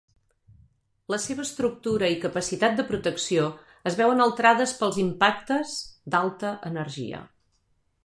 La seva estructura i capacitat de protecció es veuen alterades pels impactes d'alta energia.